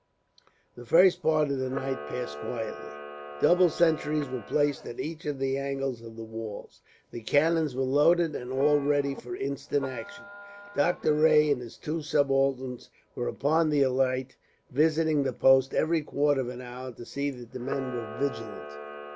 The first part of the night passed quietly. Double sentries were placed at each of the angles of the walls. The cannons were loaded, and all ready for instant action. Doctor Rae and his two subalterns were upon the alert, visiting the posts every quarter of an hour to see that the men were vigilant.